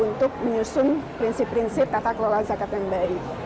untuk menyusun prinsip prinsip tata kelola zakat yang baik